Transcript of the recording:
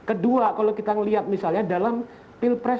kedua kalau kita melihat misalnya dalam pilpres dua ribu empat belas